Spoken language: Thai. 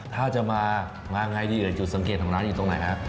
ถ้าจะมามาไงดีเอ่ยจุดสังเกตของร้านอยู่ตรงไหนฮะ